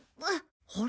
あれ？